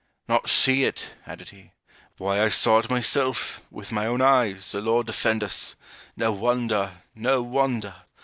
'Not see it,' added he, 'why I saw it myself, with my own eyes, the Lord defend us! no wonder! no wonder!